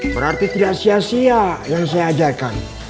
berarti tidak sia sia yang saya ajarkan